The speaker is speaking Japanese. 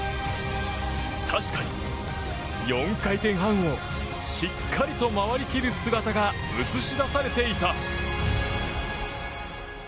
確かに、４回転半をしっかりと回り切る姿が写し出されていた。